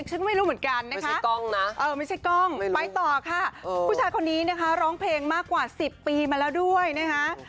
ฉันไม่รู้เหมือนกันนะคะไม่ใช่กล้องไปต่อค่ะผู้ชายคนนี้นะคะร้องเพลงมากกว่า๑๐ปีมาแล้วด้วยนะคะ